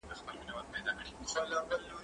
زه له سهاره کتابتوننۍ سره وخت تېرووم!؟